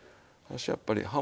やっぱり。